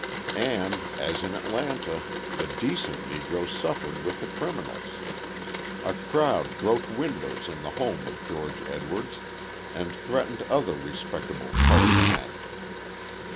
And, as in Atlanta, the decent Negroes suffered with the criminals: a crowd broke windows in the home of George Edwards, and threatened other respectable coloured men.